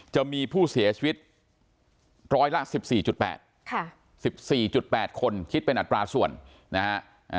จะมีผู้เสียชีวิตร้อยละ๑๔๘๑๔๘คนคิดเป็นอัตราส่วนนะฮะ